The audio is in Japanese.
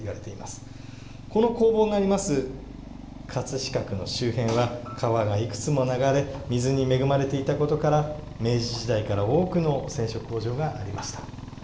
飾区の周辺は川がいくつも流れ水に恵まれていたことから明治時代から多くの染色工場がありました。